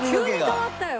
急に変わったよ！